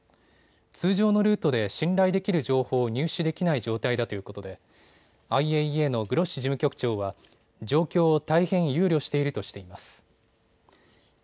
通常のルートで信頼できる情報を入手できない状態だということでＩＡＥＡのグロッシ事務局長は状況を大変憂慮しているとしています。